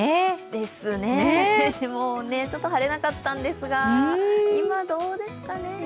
ですね、もうちょっと晴れなかったんですが今、どうですかね。